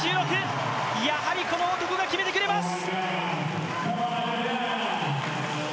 やはり、この男が決めてくれます！